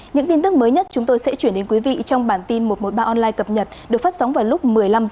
những tin tức mới nhất chúng tôi sẽ chuyển đến quý vị trong bản tin một trăm một mươi ba online cập nhật được phát sóng vào lúc một mươi năm h